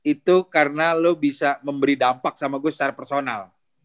itu karena lo bisa memberi dampak sama gue secara personal